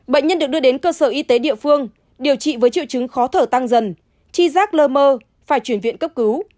bệnh nhân được đưa đến cơ sở y tế địa phương điều trị với triệu chứng khó thở tăng dần chi rác lơ mơ phải chuyển viện cấp cứu